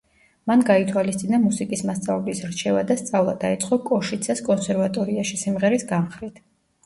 მან გაითვალისწინა მუსიკის მასწავლებლის რჩევა და სწავლა დაიწყო კოშიცეს კონსერვატორიაში სიმღერის განხრით.